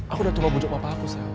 aku udah coba bujuk papa aku sel